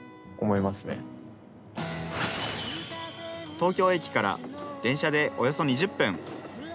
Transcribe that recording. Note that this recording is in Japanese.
東京駅から電車でおよそ２０分。